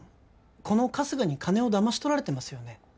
この春日に金をだまし取られてますよね？